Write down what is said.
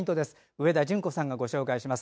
上田淳子さんがご紹介します。